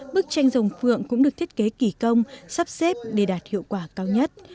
bức tranh dòng phượng cũng được thiết kế kỳ công sắp xếp để đạt hiệu quả cao nhất